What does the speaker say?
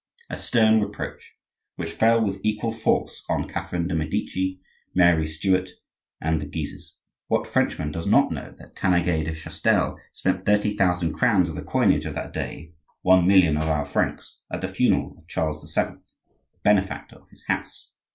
—a stern reproach, which fell with equal force on Catherine de' Medici, Mary Stuart, and the Guises. What Frenchman does not know that Tanneguy de Chastel spent thirty thousand crowns of the coinage of that day (one million of our francs) at the funeral of Charles VII., the benefactor of his house?